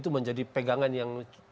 menjadi pegangan yang